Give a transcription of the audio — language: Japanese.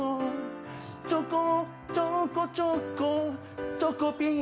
ちょこちょこちょこちょこぴー